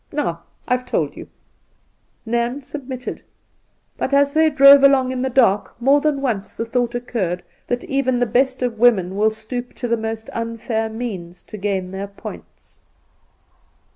Now I've told you.' Induna Nairn 109 Nairn submitted ; but as they drove along in the dark more than once the thought occurred that even ■ the best of women will stoop to the most unfair means to gain their points.